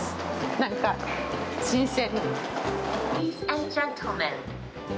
なんか新鮮。